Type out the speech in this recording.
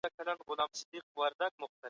کرار انتقال تر ناڅاپي بدلون ډېر پایدار وي.